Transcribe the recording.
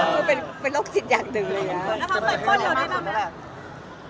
คือเป็นโรคจิตอย่างหนึ่งเลยนะ